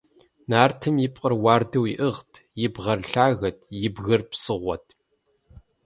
Нартым и пкъыр уардэу иӀыгът, и бгъэр лъагэт, и бгыр псыгъуэт.